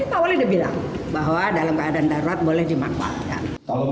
pak wali sudah bilang bahwa dalam keadaan darurat boleh dimanfaatkan